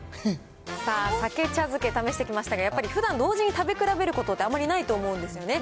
さあ、さけ茶漬け、試してきましたが、やっぱりふだん同時に食べ比べることってあんまりないと思うんですよね。